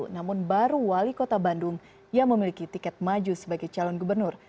namun baru wali kota bandung yang memiliki tiket maju sebagai calon gubernur